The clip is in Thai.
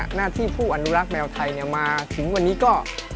มานาที่ผู้อัณูลักษณ์แมวไทน์เนี่ยมาถึงวันนี้ก็